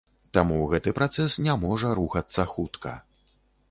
Таму гэты працэс не можа рухацца хутка.